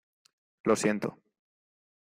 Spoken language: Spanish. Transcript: lo siento.